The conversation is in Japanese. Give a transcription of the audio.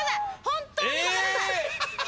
本当にごめんなさい。